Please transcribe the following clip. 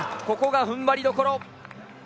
ここが踏ん張りどころ。